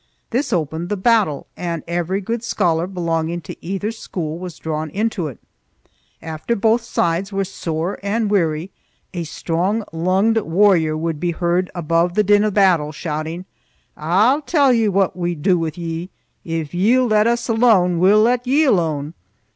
This opened the battle, and every good scholar belonging to either school was drawn into it. After both sides were sore and weary, a strong lunged warrior would be heard above the din of battle shouting, "I'll tell ye what we'll dae wi' ye. If ye'll let us alane we'll let ye alane!"